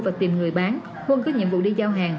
và tìm người bán huân có nhiệm vụ đi giao hàng